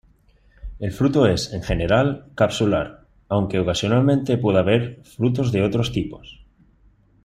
El fruto es, en general, capsular, aunque, ocasionalmente puede haber frutos de otros tipos.